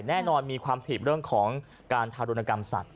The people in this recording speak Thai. แน่นอนมีความผิดเรื่องของการทารุณกรรมสัตว